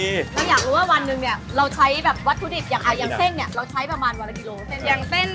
เราอยากรู้ว่าวันนึงเนี่ยเราใช้แบบวัตถุดิบอย่างเซ่นเนี่ย